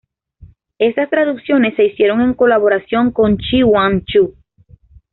Estas traducciones se hicieron en colaboración con Chi-Hwang Chu.